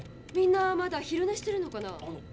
みんなまだ昼寝してるのかな。